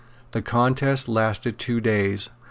The contest lasted two days.